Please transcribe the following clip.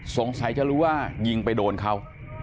สงสัยจะรู้ว่ายิงไปโดนเขา